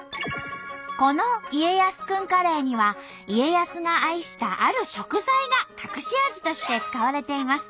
この家康くんカレーには家康が愛したある食材が隠し味として使われています。